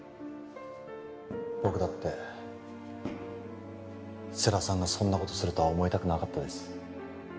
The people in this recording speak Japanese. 僕だって世良さんがそんなことするとは思いたくなかったです